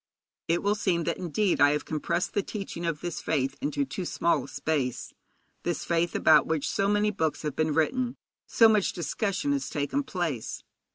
It will seem that indeed I have compressed the teaching of this faith into too small a space this faith about which so many books have been written, so much discussion has taken place.